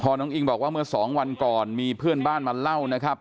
น้องอิงบอกว่าเมื่อสองวันก่อนมีเพื่อนบ้านมาเล่านะครับ